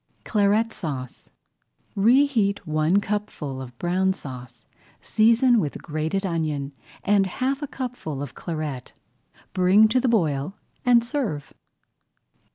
CLARET SAUCE Reheat one cupful of Brown Sauce, season with grated onion, add half a cupful of Claret, bring to the boil, and serve.